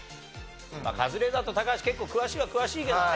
まあカズレーザーと高橋結構詳しいは詳しいけどね。